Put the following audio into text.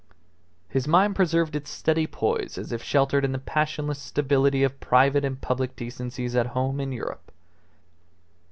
His mind preserved its steady poise as if sheltered in the passionless stability of private and public decencies at home in Europe.